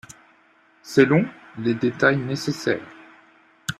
C'est long ? Les détails nécessaires.